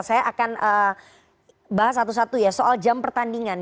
saya akan bahas satu satu ya soal jam pertandingan